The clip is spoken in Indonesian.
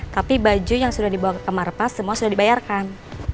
tapi baju yang sudah dibawa ke markas semua sudah dibayarkan